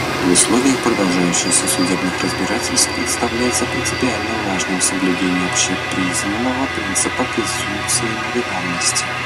В условиях продолжающегося судебного разбирательства представляется принципиально важным соблюдение общепризнанного принципа презумпции невиновности.